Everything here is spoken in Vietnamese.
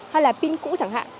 hay là pin cũ chẳng hạn